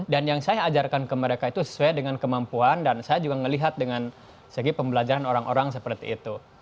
dan yang saya ajarkan ke mereka itu sesuai dengan kemampuan dan saya juga melihat dengan segi pembelajaran orang orang seperti itu